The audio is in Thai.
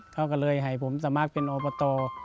เขาก็เลยให้ผมสมัครเป็นอบต